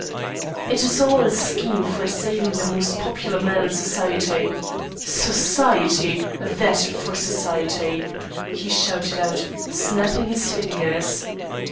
"It is all a scheme for saving the most popular man in society. Society! That for society!" he shouted out, snapping his fingers.